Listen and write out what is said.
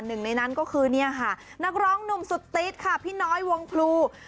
หนึ่งในนั้นก็คือเนี่ยค่ะนักร้องหนุ่มสุดติ๊ดค่ะพี่น้อยวงพลู